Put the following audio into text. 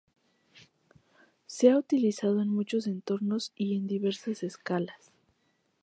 Se ha utilizado en muchos entornos y en diversas escalas.